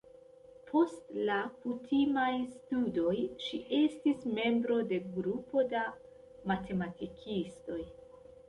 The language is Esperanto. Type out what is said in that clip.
Post la kutimaj studoj ŝi estis membro de grupo da matematikistoj.